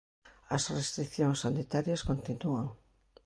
As restricións sanitarias continúan.